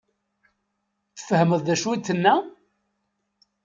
Tfehmeḍ d acu i d-tenna?